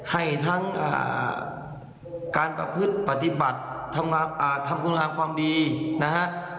ให้ทั้งการประพฤติปฏิบัติทำคุณงามความดีนะฮะ